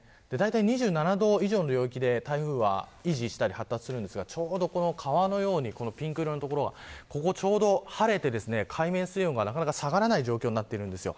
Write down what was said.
２７度以上の領域で台風は維持したり発達したりしますがちょうど川のようにピンク色の所はちょうど晴れて、海面水温がなかなか下がらない状況になっています。